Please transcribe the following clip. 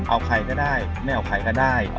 เอาใครก็ได้ไม่เอาใครก็ได้